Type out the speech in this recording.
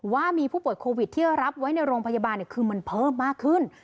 ว่ามีผู้ป่วยโควิดที่รับไว้ในโรงพยาบาลคือมันเพิ่มมากขึ้น